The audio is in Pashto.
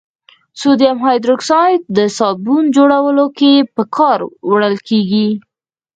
سودیم هایدروکساید د صابون جوړولو کې په کار وړل کیږي.